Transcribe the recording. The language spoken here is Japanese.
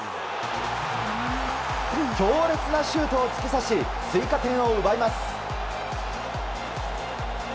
強烈なシュートを突き刺し追加点を奪います。